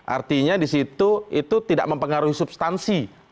artinya di situ itu tidak mempengaruhi substansi